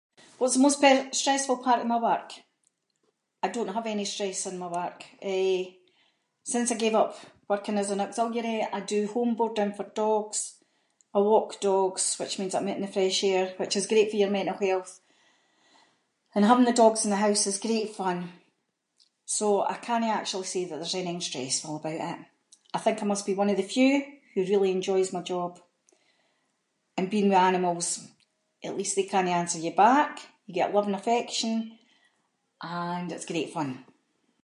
What’s the most stressful part of my work? I don’t have any stress in my work. Eh, since I gave up working as an auxiliary, I do home boarding for dogs, I walk dogs, which means that I’m out in the fresh air, which is great for your mental health, and having the dogs in the house is great fun, so I cannae actually say that there’s anything stressful about it. I think I must be one of the few, who really enjoys my job. And being with animals, at least they cannae answer you back, you get love and affection, and it’s great fun.